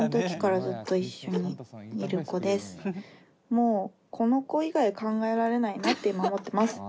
もうこの子以外考えられないなって今思ってます。